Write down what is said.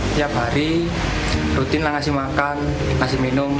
setiap hari rutin ngasih makan ngasih minum